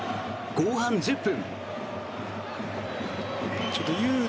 後半１０分。